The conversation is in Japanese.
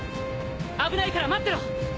危ないから待ってろ！